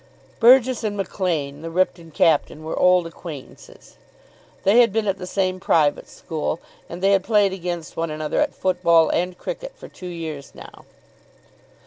Burgess and Maclaine, the Ripton captain, were old acquaintances. They had been at the same private school, and they had played against one another at football and cricket for two years now.